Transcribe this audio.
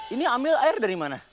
ini ambil air dari mana